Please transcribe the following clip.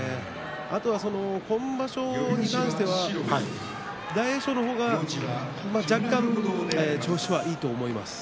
あとは今場所に関しては大栄翔の方が若干調子はいいと思います。